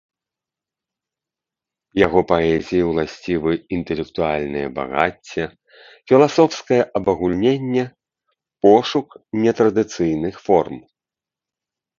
Яго паэзіі ўласцівы інтэлектуальнае багацце, філасофскае абагульненне, пошук нетрадыцыйных форм.